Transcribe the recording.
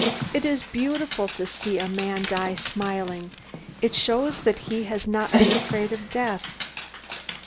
It is beautiful to see a man die smiling, it shows that he has not been afraid of death.